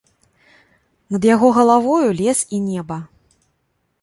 Над яго галавою лес і неба.